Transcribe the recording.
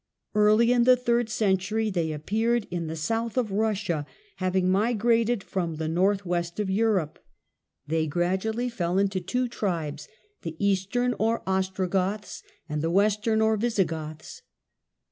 Early in the third century they appeared in the south of Russia, having migrated from the north west of Europe. They gradually fell into two tribes, the Eastern, or Ostrogoths, and the Western, or Visigoths.